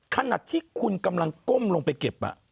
ขนาดที่คุณกำลังก้มลงไปเก็บ